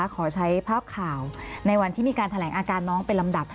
ขอใช้ภาพข่าวในวันที่มีการแถลงอาการน้องเป็นลำดับ